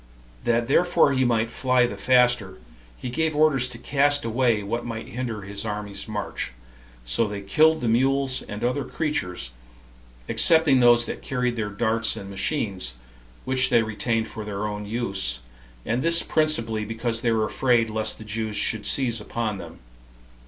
That therefore he might fly the faster, he gave orders to cast away what might hinder his army's march; so they killed the mules and other creatures, excepting those that carried their darts and machines, which they retained for their own use, and this principally because they were afraid lest the Jews should seize upon them.